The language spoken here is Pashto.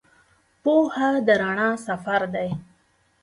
پوهه د رڼا سفر دی.